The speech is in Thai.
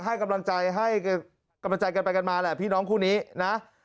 ให้กำลังใจกันไปกันมาแหละพี่น้องคู่นี้นะ